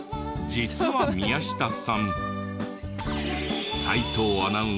実は宮下さん。